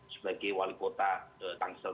sebagai wali kota tangsel